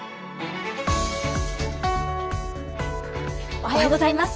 おはようございます。